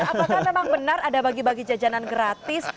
apakah memang benar ada bagi bagi jajanan gratis